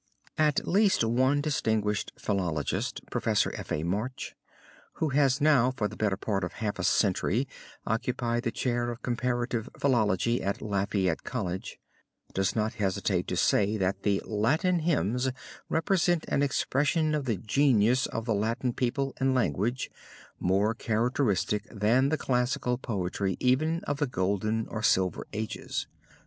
At least one distinguished philologist, Professor F. A. March, who has now for the better part of half a century occupied the chair of comparative philology at Lafayette College, does not hesitate to say that the Latin hymns represent an expression of the genius of the Latin people and language, more characteristic than the classical poetry even of the golden or silver ages.